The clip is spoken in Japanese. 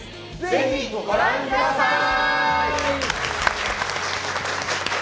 ぜひご覧ください！